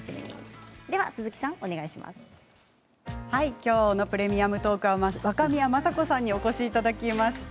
きょうの「プレミアムトーク」は若宮正子さんにお越しいただきました。